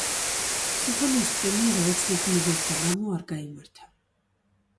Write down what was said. სიმფონიის პრემიერა უცნობ მიზეზთა გამო არ გაიმართა.